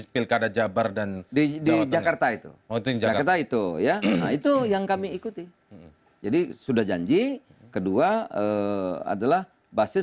pertanyaan mana tadi